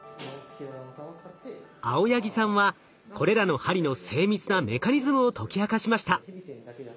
青柳さんはこれらの針の精密なメカニズムを解き明かしました。